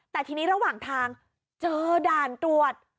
แต่ทีนี้ระหว่างทางเจอด่านตรวจ